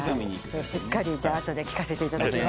しっかり後で聞かせていただきます。